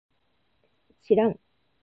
しらん